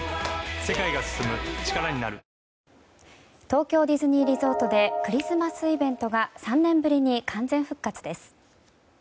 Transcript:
東京ディズニーリゾートでクリスマスイベントが３年ぶりに完全復活です。